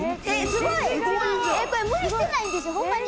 すごい！これ無理してないんですよホンマに。